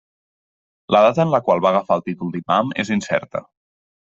La data en la qual va agafar el títol d'imam és incerta.